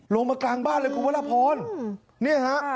ลงมากลางบ้านเลยคุณวรพรเนี่ยฮะ